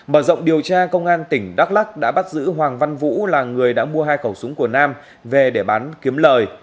mở rộng điều tra công an tỉnh đắk lắc đã bắt giữ hoàng văn vũ là người đã mua hai khẩu súng của nam về để bán kiếm lời